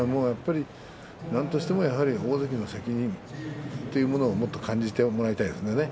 なんとしても大関の責任というものをもっと感じてほしいです。